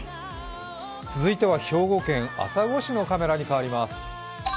続いては兵庫県朝来市のカメラに変わります。